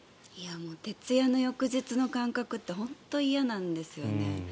徹夜の翌日の感覚って本当に嫌なんですよね。